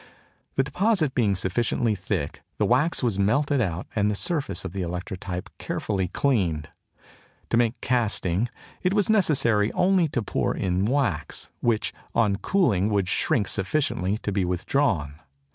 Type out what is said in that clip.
The deposit being sufficiently thick the wax was melted out and the surface of the electrotype carefully cleaned. To make castings it was necessary only to pour in wax, which on cooling would shrink sufficiently to be withdrawn.